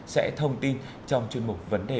sẽ thông tin trong chuyên mục vấn đề